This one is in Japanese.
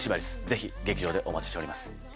是非劇場でお待ちしております。